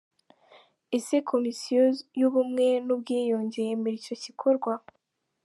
Ese Komisiyo y’Ubumwe n’ubwiyunge yemera icyo gikorwa?.